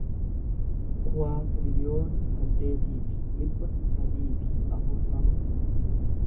kuwaatiriliyoona saddeetii fi dhibba sadii fi afurtama